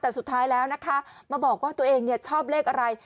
แต่สุดท้ายแล้วนะคะมาบอกว่าตัวเองชอบเลขอะไร